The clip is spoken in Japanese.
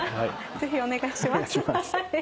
ぜひお願いします。